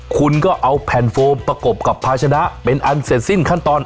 คุณก็เอาแผ่นโฟมประกบกับภาชนะเป็นอันเสร็จสิ้นขั้นตอน